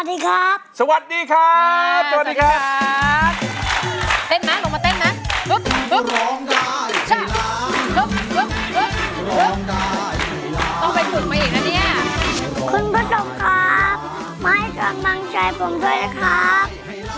มาให้กำลังช่วยผมด้วยครับ